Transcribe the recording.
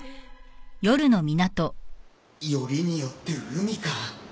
よりによって海か。